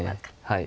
はい。